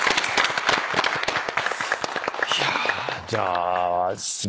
いやじゃあ。